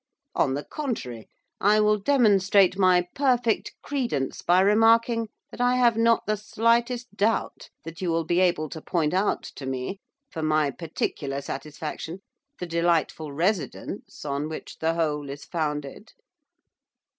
On the contrary, I will demonstrate my perfect credence by remarking that I have not the slightest doubt that you will be able to point out to me, for my particular satisfaction, the delightful residence on which the whole is founded.